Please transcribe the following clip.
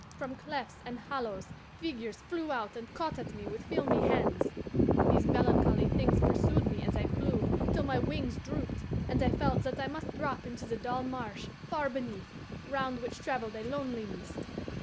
From clefts and hollows figures flew out and caught at me with filmy hands. These melancholy things pursued me as I flew, till my wings drooped, and I felt that I must drop into the dull marsh far beneath, round which travelled a lonely mist.